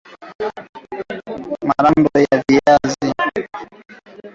marando yaviazi yanatakiwa kuwa na ukubwa wa sentimita ishirini na tano hadi themanini